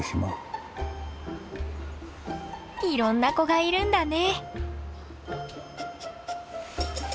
いろんな子がいるんだね。